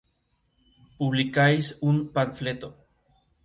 publicáis un panfleto